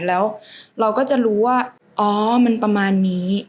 แล้วเราก็จะรู้ว่าอ๋อมันประมาณนี้